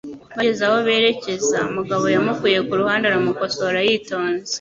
Bageze aho berekeza, Mugabo yamukuye ku ruhande aramukosora yitonze.